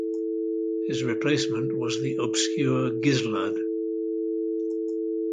His replacement was the obscure Gislard.